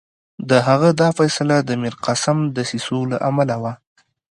د هغه دا فیصله د میرقاسم دسیسو له امله وه.